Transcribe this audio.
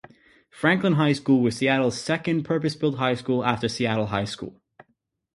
Franklin High School was Seattle's second purpose-built high school after Seattle High School.